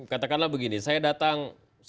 katakanlah begini saya datang